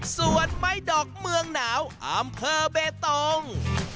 ส่วนไม้ดอกเมืองหนาวอำเภอเบตง